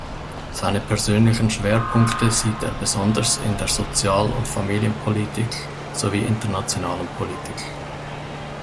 Seine persönlichen Schwerpunkte sieht er besonderes in der Sozial- und Familienpolitik sowie Internationalen Politik.